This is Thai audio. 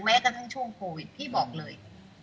แม้กระทั่งช่วงโควิดพี่บอกเลย